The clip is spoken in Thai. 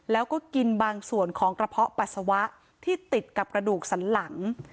แล้วก็กินบางส่วนของกระเพาะปัสสาวะที่ติดกับกระดูกสันหลัง